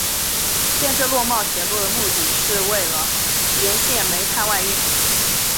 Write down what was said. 建设洛茂铁路的目的是为了沿线煤炭外运。